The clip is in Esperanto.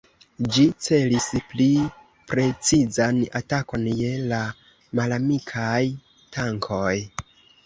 Ĝi celis pli precizan atakon je la malamikaj tankoj.